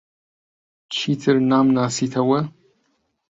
چیتر نامناسیتەوە؟